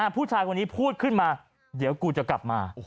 ผู้ชายคนนี้พูดขึ้นมาเดี๋ยวกูจะกลับมา